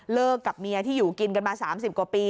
กับเมียที่อยู่กินกันมา๓๐กว่าปี